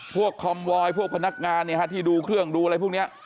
คอมวอยพวกพนักงานที่ดูเครื่องดูอะไรพวกนี้